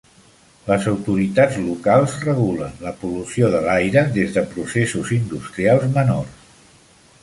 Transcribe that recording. Les autoritats locals regulen la pol·lució de l'aire des de processos industrials menors.